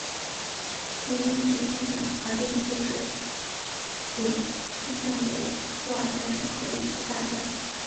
因英国宣战而令自治领参战的有布尔战争和一次大战。